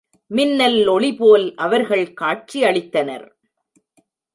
மின்னல் ஒளிபோல் அவர்கள் காட்சி அளித்தனர்.